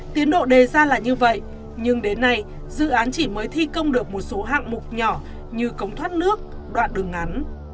tiến độ đề ra là như vậy nhưng đến nay dự án chỉ mới thi công được một số hạng mục nhỏ như cống thoát nước đoạn đường ngắn